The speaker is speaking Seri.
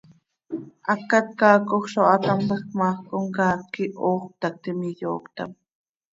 Hacat caacoj zo hatámlajc ma, comcaac quih hoox cötactim, iyooctam.